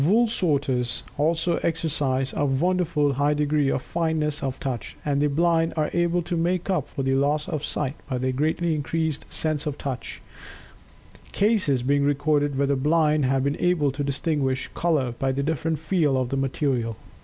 Wool sorters also exercise a wonderfully high degree of fineness of touch. And the blind are able to make up for the loss of sight by their greatly increased sense of Touch, cases being recorded where the blind have been able to distinguish color by the different "feel" of the material.